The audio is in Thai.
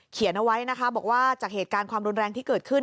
เอาไว้นะคะบอกว่าจากเหตุการณ์ความรุนแรงที่เกิดขึ้น